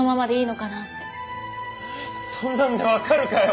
そんなんでわかるかよ！